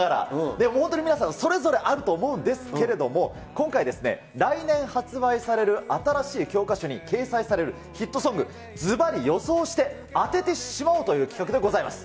でも本当に皆さん、それぞれあると思うんですけれども、今回ですね、来年発売される新しい教科書に掲載されるヒットソング、ずばり予想して、当ててしまおうという企画でございます。